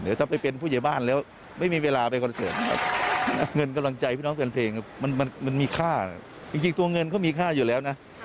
หรือถ้าไปเป็นผู้เจียบ้านแล้ว